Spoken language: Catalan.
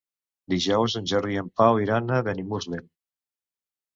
Dijous en Jordi i en Pau iran a Benimuslem.